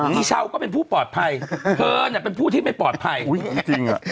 พี่เช้าก็เป็นผู้ปลอดภัยเธอเนี่ยเป็นผู้ที่ไม่ปลอดภัยอุ้ยจริงอ่ะ